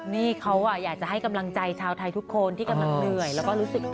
นี่เขาอยากจะให้กำลังใจชาวไทยทุกคนที่กำลังเหนื่อยแล้วก็รู้สึกท